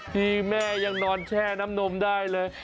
ที่แม่ยังนอนแช่น้ำนมได้เลย